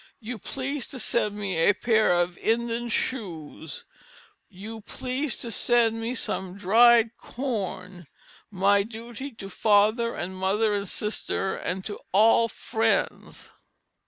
You please to send me a pare of indin's Schuse, You please to send me som dride corn. My Duty to Father and Mother and Sister and to all frinds.